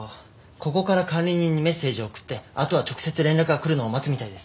ここから管理人にメッセージを送ってあとは直接連絡が来るのを待つみたいです。